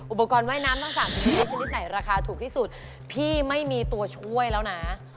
อุปกรณ์ว่ายน้ำทั้ง๓ชนิดชนิดไหนราคาถูกที่สุดพี่ไม่มีตัวช่วยแล้วนะ